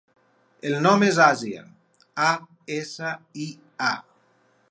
El nom és Asia: a, essa, i, a.